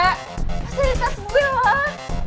pasti ada di tas gue lah